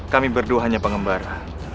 kami berdua hanya pengembara